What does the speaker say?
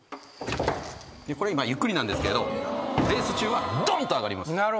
これ今ゆっくりなんですけどレース中はドンと上がります。